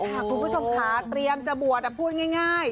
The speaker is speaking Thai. คุณผู้ชมค่ะเตรียมจะบวชพูดง่าย